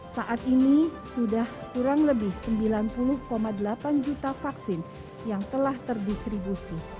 saat ini sudah kurang lebih sembilan puluh delapan juta vaksin yang telah terdistribusi